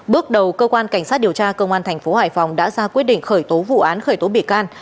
bước đầu cơ quan cảnh sát điều tra công an thành phố hải phòng đã ra quyết định khởi tố vụ án khởi tố bị can